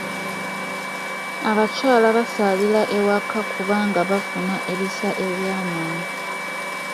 Abakyala bazaalira ewaka kubanga bafuna ebisa eby'amangu.